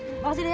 terima kasih dek